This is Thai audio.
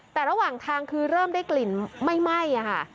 แต่ระหว่างทางคือเริ่มได้กลิ่นไหม้ค่ะ